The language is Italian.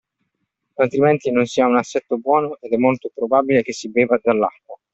Altrimenti non si ha un assetto buono ed è molto probabile che si beva dell’acqua.